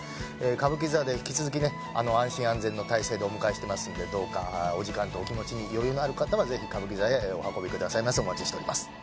歌舞伎座で引き続きね安心安全の態勢でお迎えしてますんでどうかお時間とお気持ちに余裕のある方はぜひ歌舞伎座へお運びくださいませお待ちしております